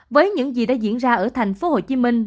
với những gì đã diễn ra ở thành phố hồ chí minh